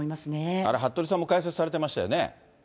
あれ服部さんも解説されてましたよね。